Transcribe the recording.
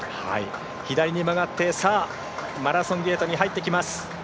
左に曲がってマラソンゲートに入ってきます。